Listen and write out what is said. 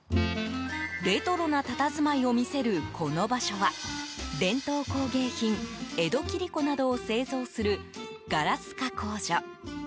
レトロなたたずまいを見せるこの場所は伝統工芸品江戸切子などを製造するガラス加工所。